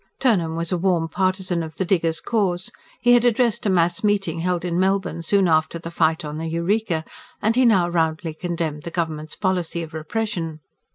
Turnham was a warm partisan of the diggers' cause. He had addressed a mass meeting held in Melbourne, soon after the fight on the Eureka; and he now roundly condemned the government's policy of repression.